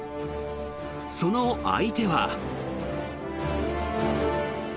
その相手は。